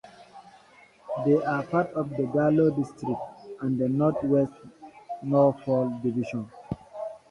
They are part of the Gallow District and the North West Norfolk Division.